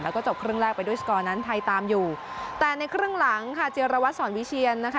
แล้วก็จบครึ่งแรกไปด้วยสกอร์นั้นไทยตามอยู่แต่ในครึ่งหลังค่ะเจรวัตรสอนวิเชียนนะคะ